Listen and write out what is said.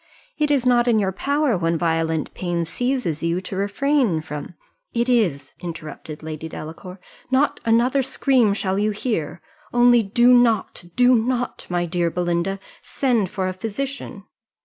It is not in your power, when violent pain seizes you, to refrain from " "It is," interrupted Lady Delacour; "not another scream shall you hear only do not, do not, my dear Belinda, send for a physician."